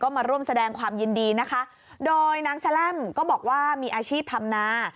มาร่วมแสดงความยินดีนะคะโดยนางแสลมก็บอกว่ามีอาชีพทำนา